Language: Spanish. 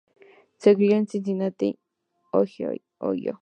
Se crio en Cincinnati, Ohio.